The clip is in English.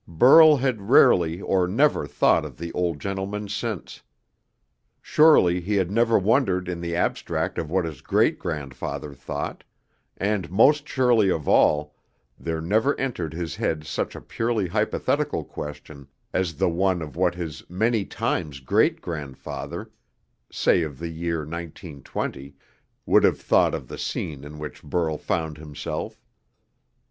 Burl had rarely or never thought of the old gentleman since. Surely he had never wondered in the abstract of what his great grandfather thought, and most surely of all, there never entered his head such a purely hypothetical question as the one of what his many times great grandfather say of the year 1920 would have thought of the scene in which Burl found himself.